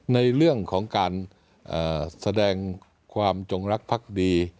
ในเรื่องของการแสดงความจงรักภักดี